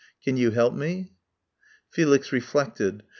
Can you help me?" Felix reflected.